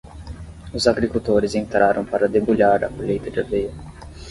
Os agricultores entraram para debulhar a colheita de aveia.